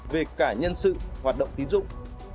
về cả nhân sự hoạt động tín dụng